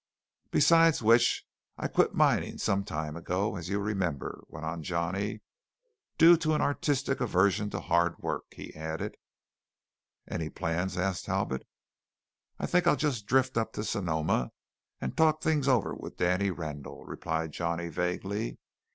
"Besides which, I quit mining some time ago, as you remember," went on Johnny, "due to an artistic aversion to hard work," he added. "Any plans?" asked Talbot. "I think I'll just drift up to Sonoma and talk things over with Danny Randall," replied Johnny vaguely.